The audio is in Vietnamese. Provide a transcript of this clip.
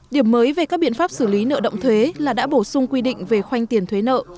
điểm mới về các biện pháp xử lý nợ động thuế là đã bổ sung quy định về khoanh tiền thuế nợ